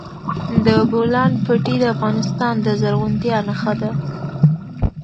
د بولان پټي د افغانستان د زرغونتیا نښه ده.